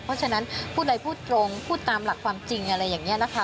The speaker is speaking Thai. เพราะฉะนั้นพูดใดพูดตรงพูดตามหลักความจริงอะไรอย่างนี้นะคะ